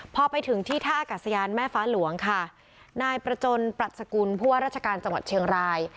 พอไปถึงที่ท่าอากาศยานแม่ฟ้าหลวงค่ะนายประจนปรัชกุลผู้ว่าราชการจังหวัดเชียงราย